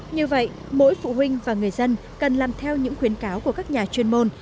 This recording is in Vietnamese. như vậy mỗi phụ huynh và người dân cần làm theo những khuyến cáo của các nhà chuyên môn